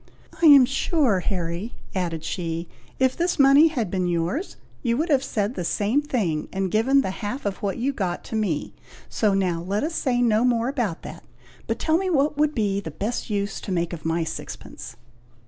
"I am sure, Harry," added she, "if this money had been yours, you would have said the same thing, and given the half of what you got to me; so now let us say no more about that, but tell me what would be the best use to make of my sixpence?"